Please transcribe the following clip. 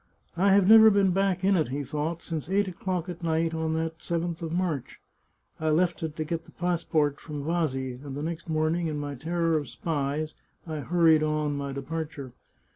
" I have never been back in it," he thought, " since eight o'clock at night on that seventh of March. I left it to get the passport from Vasi, 165 The Chartreuse of Parma and the next morning, in my terror of spies, I hurried on my departure.